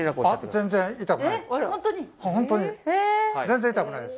全然痛くないです。